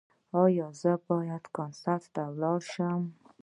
ایا زه باید کنسرت ته لاړ شم؟